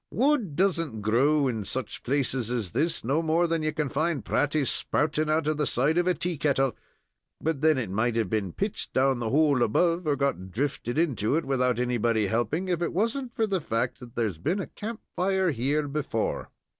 "Wood doesn't grow in such places as this, no more than ye can find praties sprouting out of the side of a tea kettle; but then it might have been pitched down the hole above, or got drifted into it without anybody helping, if it wasn't for the fact that there's been a camp fire here before."